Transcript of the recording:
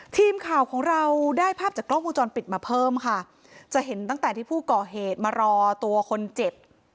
ทีมข่าวของเราได้ภาพจากกล้องวงจรปิดมาเพิ่มค่ะจะเห็นตั้งแต่ที่ผู้ก่อเหตุมารอตัวคนเจ็บ